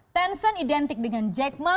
tencent identik dengan jack ma